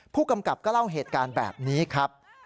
ผู้กำกับก็เล่าเหตุการณ์แบบนี้ครับ